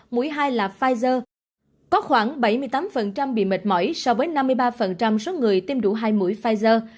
mũi hai là pfizer có khoảng bảy mươi tám bị mệt mỏi so với năm mươi ba số người tiêm đủ hai mũi pfizer